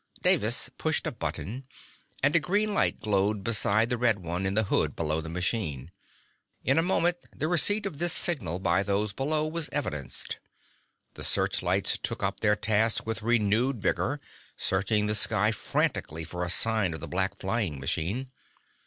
Davis pushed a button, and a green light glowed beside the red one in the hood below the machine. In a moment the receipt of this signal by those below was evidenced. The searchlights took up their task with renewed vigor, searching the sky frantically for a sign of the black flying machine.